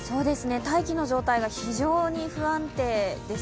大気の状態が非常に不安定です。